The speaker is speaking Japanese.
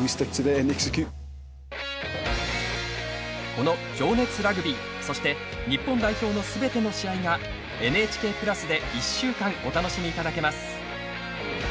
この「情熱ラグビー」そして、日本代表の全ての試合がＮＨＫプラスで１週間お楽しみいただけます。